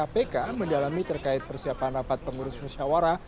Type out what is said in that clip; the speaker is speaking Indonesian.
kpk mendalami terkait persiapan rapat pengurus musyawara